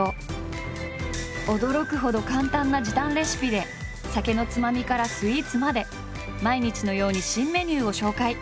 驚くほど簡単な時短レシピで酒のつまみからスイーツまで毎日のように新メニューを紹介。